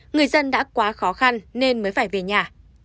người dân đã quá khó khăn nên mới phải về nhà